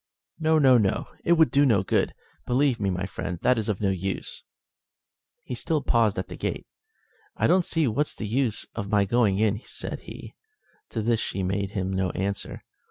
"No, no, no; it would do no good. Believe me, my friend, that it is of no use." He still paused at the gate. "I don't see what's the use of my going in," said he. To this she made him no answer.